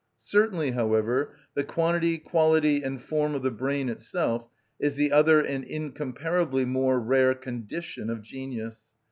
Certainly, however, the quantity, quality, and form of the brain itself is the other and incomparably more rare condition of genius.